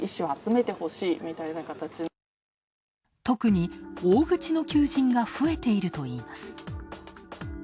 特に大口の求人が増えているといいます。